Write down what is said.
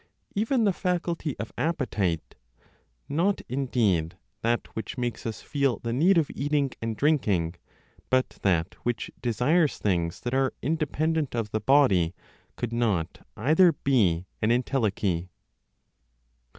Even the faculty of appetite, not indeed that which makes us feel the need of eating and drinking, but that which desires things that are independent of the body, could not either be an entelechy.